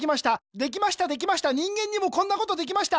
できましたできました人間にもこんなことできました。